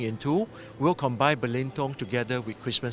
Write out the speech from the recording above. kita akan menggabungkan belintong dengan pulau krismas